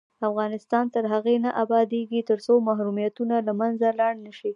افغانستان تر هغو نه ابادیږي، ترڅو محرومیتونه له منځه لاړ نشي.